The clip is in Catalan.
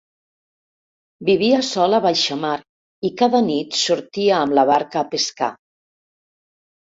Vivia sol a baixamar i cada nit sortia amb la barca a pescar.